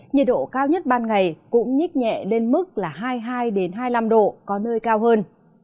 nhiệt độ cao nhất ban ngày cũng nhích nhẹ lên mức là hai mươi hai hai mươi năm độ có nơi cao hơn